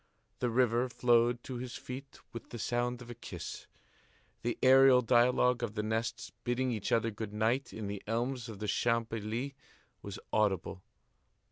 The river flowed to his feet with the sound of a kiss. The aerial dialogue of the nests bidding each other good night in the elms of the Champs Élysées was audible.